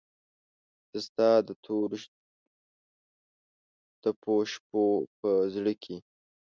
زه ستا دتوروتپوشپوپه زړه کې